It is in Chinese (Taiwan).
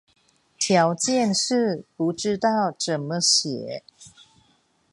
條件式不知道怎麼寫